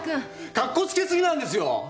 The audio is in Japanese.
かっこつけすぎなんですよ。